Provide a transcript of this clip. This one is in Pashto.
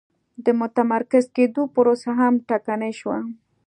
د متمرکز کېدو پروسه هم ټکنۍ شوه.